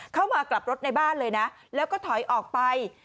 กลับรถในบ้านเลยนะแล้วก็ถอยออกไป